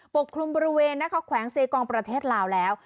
กลุ่มบริเวณนะคะแขวงเซกองประเทศลาวแล้ว